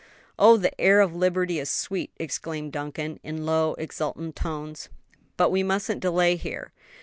"Oh, the air of liberty is sweet!" exclaimed Duncan, in low, exultant tones; "but we mustn't delay here."